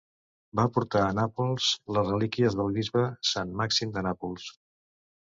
Va portar a Nàpols les relíquies del bisbe Sant Màxim de Nàpols.